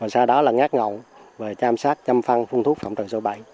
sau đó là ngát ngộ và chăm sát chăm phăn phun thuốc phòng trần số bảy